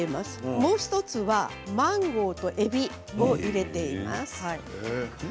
もう１つはマンゴーとえびを入れています。